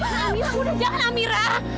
amira udah jangan amira